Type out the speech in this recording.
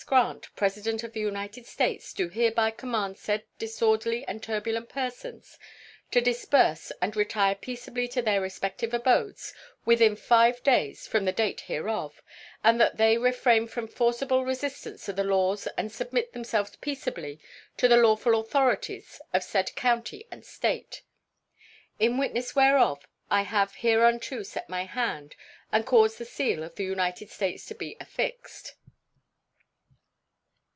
Grant, President of the United States, do hereby command said disorderly and turbulent persons to disperse and retire peaceably to their respective abodes within five days from the date hereof, and that they refrain from forcible resistance to the laws and submit themselves peaceably to the lawful authorities of said county and State. In witness whereof I have hereunto set my hand and caused the seal of the United States to be affixed.